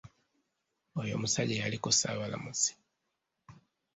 Oyo omusajja yaliko ssaabalamuzi.